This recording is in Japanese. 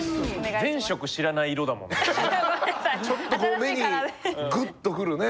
ちょっとこう目にグッとくるね。